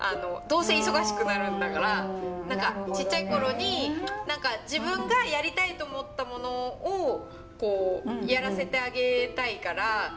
どうせ忙しくなるんだから何かちっちゃい頃に自分がやりたいと思ったものをやらせてあげたいから。